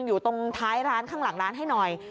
อยู่ตรงท้ายร้านข้างหลังร้านให้หน่อย